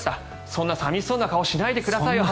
そんな寂しそうな顔しないでくださいよ。